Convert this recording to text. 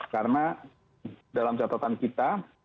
karena dalam catatan kita